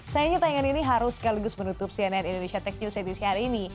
sayangnya tayangan ini harus sekaligus menutup cnn indonesia tech news edisi hari ini